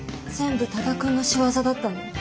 全部多田くんの仕業だったの？